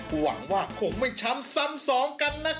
หวังว่าคงไม่ช้ำซ้ำสองกันนะครับ